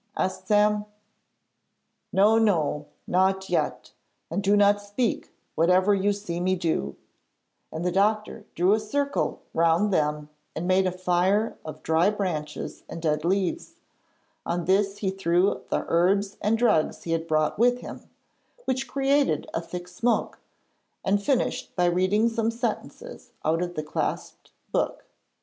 asked Sam. 'No! no! not yet. And do not speak, whatever you see me do,' and the doctor drew a circle round them and made a fire of dry branches and dead leaves. On this he threw the herbs and drugs he had brought with him, which created a thick smoke, and finished by reading some sentences out of the clasped book.